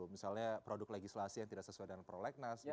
misalnya produk legislasi yang tidak sesuai dengan prolegnas